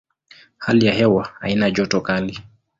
Hali ya hewa haina joto kali.